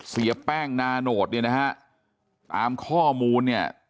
เสียแป้งนาโนตเนี่ยนะฮะตามข้อมูลเนี่ย